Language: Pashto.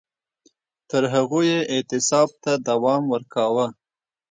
تر هغو یې اعتصاب ته دوام ورکاوه